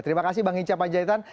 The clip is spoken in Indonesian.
terima kasih bang hinca panjaitan